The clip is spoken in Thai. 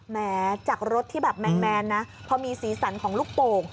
แม้จากรถที่แบบแมนนะพอมีสีสันของลูกโป่ง